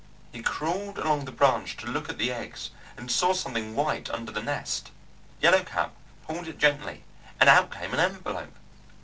He crawled along the branch to look at the eggs, and saw something white under the nest. Yellow Cap pulled it gently, and out came an envelope.